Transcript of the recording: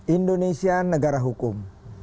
indonesia negara hukum